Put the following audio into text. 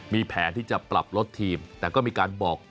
มีแผนที่จะปรับลดทีมแต่ก็มีการบอก